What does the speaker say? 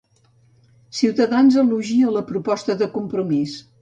Ciutadans elogia la proposta de Compromís